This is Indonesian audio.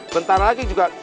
bentar lagi juga